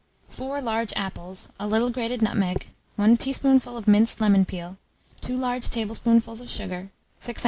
4 large apples, a little grated nutmeg, 1 teaspoonful of minced lemon peel, 2 large tablespoonfuls of sugar, 6 oz.